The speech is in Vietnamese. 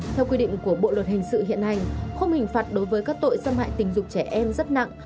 theo quy định của bộ luật hình sự hiện hành khung hình phạt đối với các tội xâm hại tình dục trẻ em rất nặng